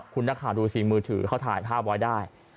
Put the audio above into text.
คุณนักข่าวดูสิมือถือเขาถ่ายภาพไว้ได้